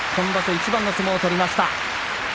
いちばんの相撲を取りました。